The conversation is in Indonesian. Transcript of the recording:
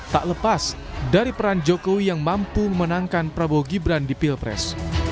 tak lepas dari peran jokowi yang mampu memenangkan prabowo gibran di pilpres